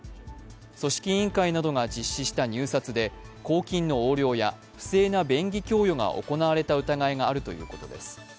組織委員会などが実施した入札で公金の横領や、不正な便宜供与が行われた疑いがあるということです。